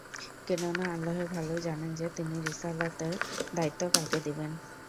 কেননা আল্লাহই ভাল জানেন যে, তিনি রিসালতের দায়িত্ব কাকে দিবেন।